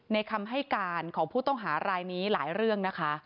คำให้การของผู้ต้องหารายนี้หลายเรื่องนะคะ